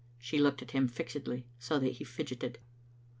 She looked at him fixedly, so that he fidgeted.